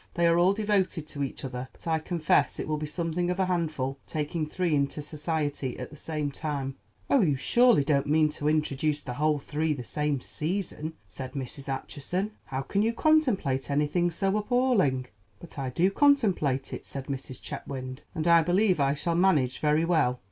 They are all devoted to each other; but I confess it will be something of a handful taking three into society at the same time." "Oh, you surely don't mean to introduce the whole three the same season?" said Mrs. Acheson. "How can you contemplate anything so appalling?" "But I do contemplate it," said Mrs. Chetwynd, "and I believe I shall manage very well.